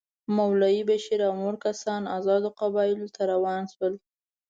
مولوي بشیر او نور کسان آزادو قبایلو ته روان شول.